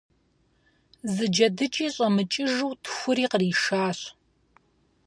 Зы джэдыкӀи щӀэмыкӀыжу тхури къришащ.